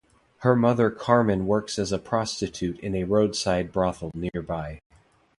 Her mother Carmen works as a prostitute in a roadside brothel nearby.